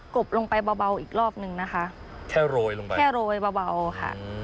บลงไปเบาอีกรอบนึงนะคะแค่โรยลงไปแค่โรยเบาค่ะ